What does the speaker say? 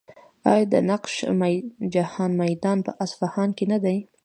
آیا د نقش جهان میدان په اصفهان کې نه دی؟